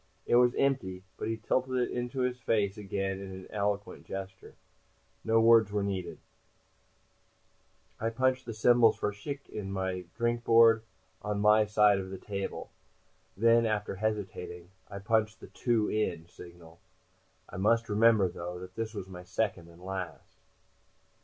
It was empty, but he tilted it into his face again in an eloquent gesture. No words were needed: I punched the symbols for shchikh into the drinkboard on my side of the table. Then, after hesitating, I punched the "two in" signal. I must remember, though, that this was my second and last.